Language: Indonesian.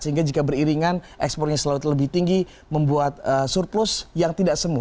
sehingga jika beriringan ekspornya selalu lebih tinggi membuat surplus yang tidak semu